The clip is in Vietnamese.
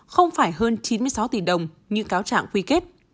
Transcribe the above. không phải hơn chín mươi sáu tỷ đồng như cáo trạng quy kết